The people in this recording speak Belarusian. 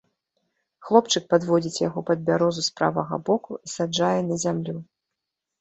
Хлопчык падводзіць яго пад бярозу з правага боку і саджае на зямлю.